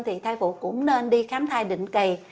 thì thay vụ cũng nên đi khám thai định kỳ